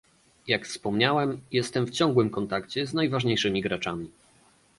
Jak wspomniałem, jestem w ciągłym kontakcie z najważniejszymi graczami